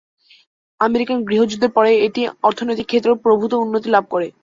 American গৃহযুদ্ধের পরে এটি অর্থনৈতিক ক্ষেত্রে প্রভূত উন্নতি লাভ করে।